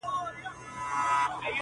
د همدې استعمارګرو د مفاهيمو